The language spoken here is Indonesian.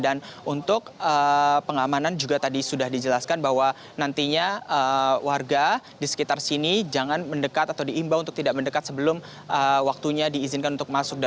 dan untuk pengamanan juga tadi sudah dijelaskan bahwa nantinya warga di sekitar sini jangan mendekat atau diimbau untuk tidak mendekat sebelum waktunya diizinkan untuk masuk